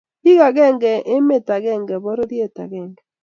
Bik agenge, emet agenge, pororiet agenge